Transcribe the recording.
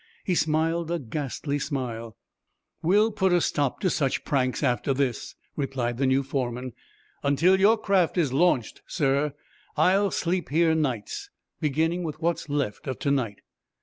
He smiled a ghastly smile. "We'll put a stop to such pranks after this," replied the new foreman. "Until your craft is launched, sir, I'll sleep here nights, beginning with what's left of to night."